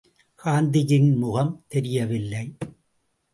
காந்திஜியின் முகம் தெரியவில்லை.